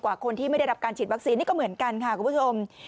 กว่าคนที่ไม่ได้รับการฉีดวัคซีนนี่ก็เหมือนกันค่ะคุณผู้ชม